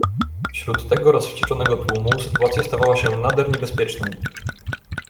"Wśród tego rozwścieczonego tłumu sytuacja stawała się nader niebezpieczną."